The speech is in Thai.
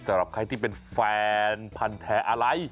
สำหรับใครที่เป็นแฟนพันธ์แท้อะไร